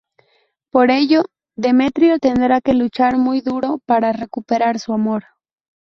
Por ello, Demetrio tendrá que luchar muy duro para recuperar su amor.